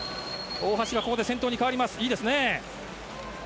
大橋がここで先頭に代わりますいいですね。